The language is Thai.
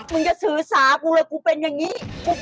มึงจะสื่อสากูเลยกูเป็นอย่างนี้